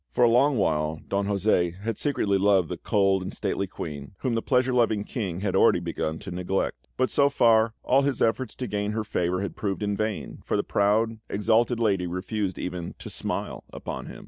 For a long while Don José had secretly loved the cold and stately Queen, whom the pleasure loving King had already begun to neglect; but so far, all his efforts to gain her favour had proved in vain, for the proud, exalted lady refused even to smile upon him.